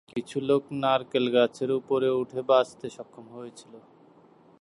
কিছু লোক নারকেল গাছের ওপরে উঠে বাঁচতে সক্ষম হয়েছিল।